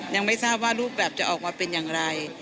ยังไม่ทราบว่ารูปแบบจะออกมาเป็นอย่างไร